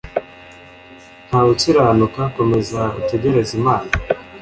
Nta wukiranuka komeza utegereze imana